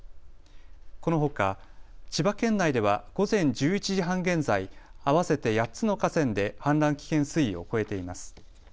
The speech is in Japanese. このほか千葉県内では午前１１時半現在、合わせて８つの河川で氾濫危険水位を超えています。